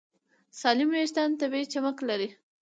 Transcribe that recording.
سالم وېښتيان طبیعي چمک لري.